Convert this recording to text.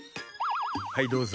はいどうぞ。